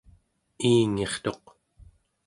iingirtuq